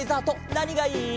なにがいい？